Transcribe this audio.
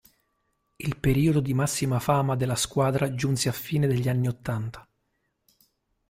Il periodo di massima fama della squadra giunse alla fine degli anni ottanta.